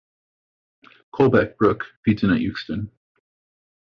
Culbeck Brook feeds in at Euxton.